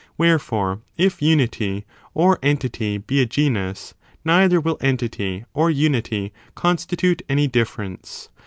Where fore, if unity or entity be a genus, neither will entity or unity constitute any difference.